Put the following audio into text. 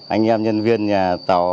anh em nhân viên nhà tàu